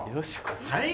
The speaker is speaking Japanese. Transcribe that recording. はい？